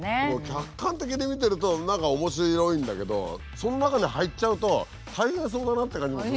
客観的に見てると何か面白いんだけどその中に入っちゃうと大変そうだなって感じもするよね。